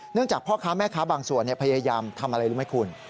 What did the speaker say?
จากพ่อค้าแม่ค้าบางส่วนพยายามทำอะไรรู้ไหมคุณ